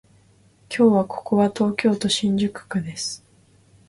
今日はここは東京都新宿区です